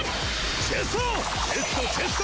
チェスト！